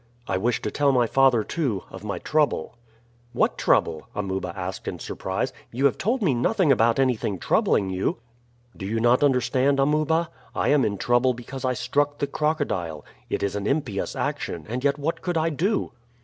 I wish to tell my father, too, of my trouble." "What trouble?" Amuba asked in surprise. "You have told me nothing about anything troubling you." "Do you not understand, Amuba? I am in trouble because I struck the crocodile; it is an impious action, and yet what could I do?"